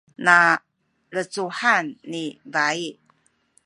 nalecuhan ni bayi